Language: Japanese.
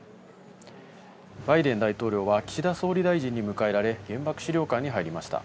バイデン大統領は岸田総理大臣に迎えられ、原爆資料館に入りました。